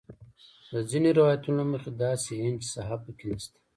د ځینو روایتونو له مخې داسې انچ ساحه په کې نه شته.